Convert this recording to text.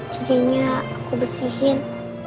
jadinya aku besihin